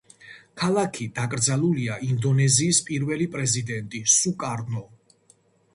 ქალაქი დაკრძალულია ინდონეზიის პირველი პრეზიდენტი სუკარნო.